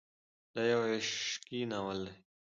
دا يو عشقي ناول دی.